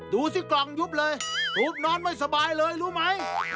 ดูสิกล่องยุบเลยปุ๊บนอนไม่สบายเลยรู้ไหม